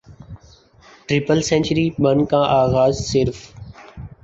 triple century بن کا اعزاز صرف